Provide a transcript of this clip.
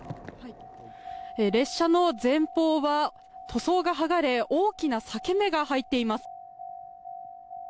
列車の前方は塗装が剥がれ大きな裂け目が入っています。